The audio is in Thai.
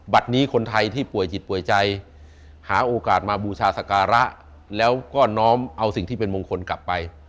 นี้คนไทยที่ป่วยจิตป่วยใจหาโอกาสมาบูชาสการะแล้วก็น้อมเอาสิ่งที่เป็นมงคลกลับไป